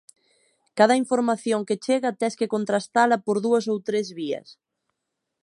Cada información que chega tes que contrastala por dúas ou tres vías.